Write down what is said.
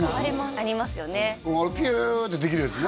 あのピューッてできるやつね